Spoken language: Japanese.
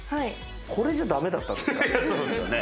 これじゃだめだったんですか？